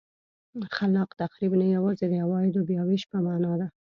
خلاق تخریب نه یوازې د عوایدو بیا وېش په معنا ده.